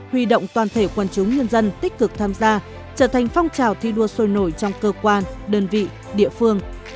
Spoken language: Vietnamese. huy động toàn thể quân chúng nhân dân tích cực tham gia trở thành phong trào thi đua sôi nổi trong cơ quan đơn vị địa phương